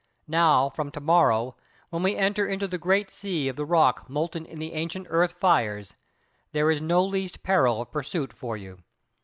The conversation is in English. Now from to morrow, when we enter into the great sea of the rock molten in the ancient earth fires, there is no least peril of pursuit for you.